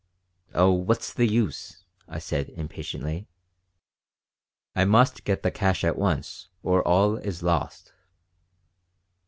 "Oh, what's the use?" I said, impatiently. "I must get the cash at once, or all is lost."